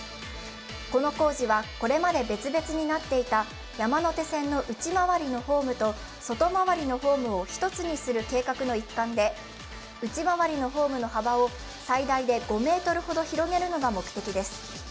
この工事はこれまで別々になっていた山手線の内回りのホームと外回りのホームを１つにする計画の一環で内回りのホームの幅を最大で５ｍほど広げるのが目的です。